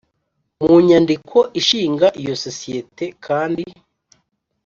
mu nyandiko ishinga iyo sosiyete kandi